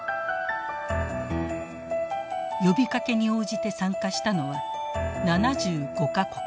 呼びかけに応じて参加したのは７５か国。